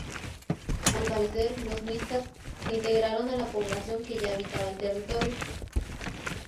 Al parecer los muiscas se integraron a la población que ya habitaba el territorio.